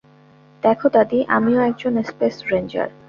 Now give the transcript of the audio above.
দেখো দাদী, আমিও একজন স্পেস রেঞ্জার।